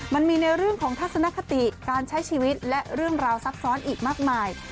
มันมีในเรื่องของทัศนคติการใช้ชีวิตและเรื่องราวซับซ้อนอีกมากมาย